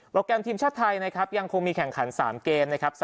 แกรมทีมชาติไทยนะครับยังคงมีแข่งขัน๓เกมนะครับ